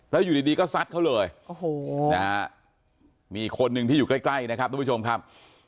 แล้วอยู่ดีก็ซัดเขาเลยมีคนนึงที่อยู่ใกล้นะครับทุกผู้ชมครับ